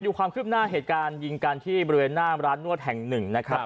ความคืบหน้าเหตุการณ์ยิงกันที่บริเวณหน้าร้านนวดแห่งหนึ่งนะครับ